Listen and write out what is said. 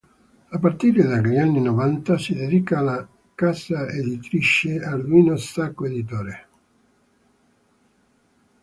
A partire dagli anni novanta si dedica alla casa editrice Arduino Sacco Editore.